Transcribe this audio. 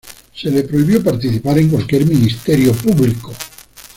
Se le prohibió participar en cualquier ministerio público.